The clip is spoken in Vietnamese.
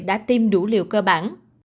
đã tiêm đủ liệu cơ bản